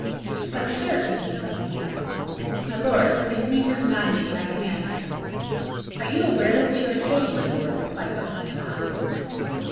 "But, sir " continued Buckingham. "My lord, permit me to remind you that I command here." "Are you aware what you are saying, my lord?" replied Buckingham, haughtily.